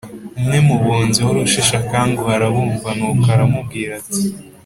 Umwe mu bunzi wari usheshe akanguhe arabumva, nuko aramubwira ati: